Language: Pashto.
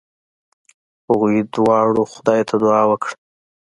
هغوی دواړو خدای ته دعا وکړه.